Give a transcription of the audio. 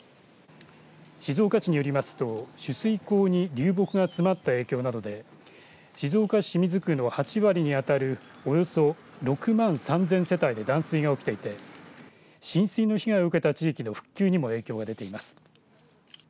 静岡市によりますと取水口に流木が詰まった影響などで静岡市清水区の８割にあたるおよそ６万３０００世帯で断水が起きていて浸水の被害を受けた地域の復旧にも影響が出ています。